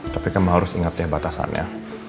tapi kamu harus ingat ya batasannya